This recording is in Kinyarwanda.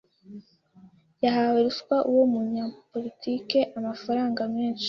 Yahaye ruswa uwo munyapolitike amafaranga menshi.